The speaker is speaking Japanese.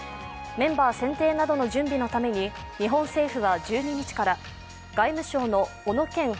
メンバー選定などの準備のために日本政府は１２日から、外務省の小野健